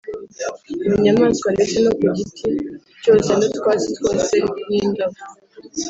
mu nyamaswa ndetse no ku giti cyose n’utwatsi twose n’indabo,